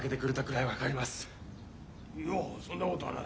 いやそんなことはない。